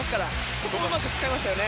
そこを、うまく使いましたよね。